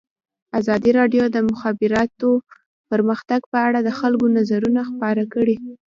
ازادي راډیو د د مخابراتو پرمختګ په اړه د خلکو نظرونه خپاره کړي.